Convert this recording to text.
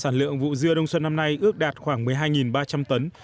sản lượng vụ dưa đông xuân năm nay ước đạt khoảng một mươi hai ba trăm linh tấn